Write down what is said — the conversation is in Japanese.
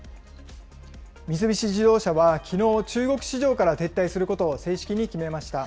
三菱自動車はきのう、中国市場から撤退することを正式に決めました。